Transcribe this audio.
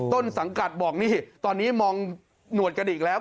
ต้นสังกัดบอกนี่ตอนนี้มองหนวดกระดิกแล้ว